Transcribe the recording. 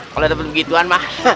kalau dapet begituan pak